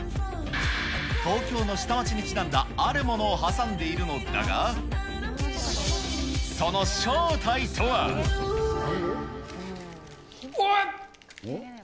東京の下町にちなんだ、あるものを挟んでいるのだが、その正体とは。うお！